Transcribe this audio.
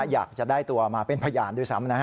อยากจะได้ตัวมาเป็นพยานด้วยซ้ำนะฮะ